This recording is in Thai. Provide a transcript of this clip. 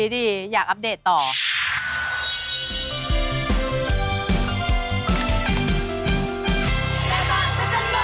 ดีอยากอัปเดตต่อ